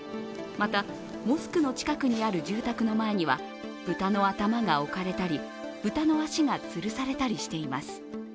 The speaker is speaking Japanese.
またモスクの近くにある住宅の前には豚の頭が置かれたり、豚の足がつるされたりしています。